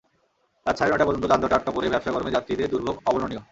রাত সাড়ে নয়টা পর্যন্ত যানজটে আটকা পড়ে ভ্যাপসা গরমে যাত্রীদের দুর্ভোগ অবর্ণনীয়।